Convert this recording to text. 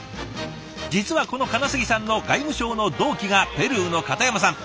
実はこの金杉さんの外務省の同期がペルーの片山さん。